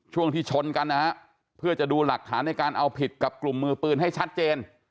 ช่วงที่ชนกันนะฮะเพื่อจะดูหลักฐานในการเอาผิดกับกลุ่มมือปืนให้ชัดเจน